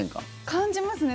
感じますね。